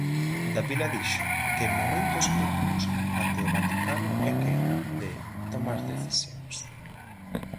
Davila dixo que en momentos críticos até o Vaticano é quen de "tomar decisións".